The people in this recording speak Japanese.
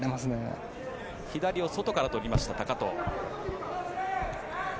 左を外から取りました高藤。